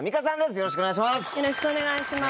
よろしくお願いします。